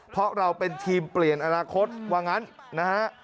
เพราะเราเป็นทีมเปลี่ยนอนาคตว่างั้นนะฮะ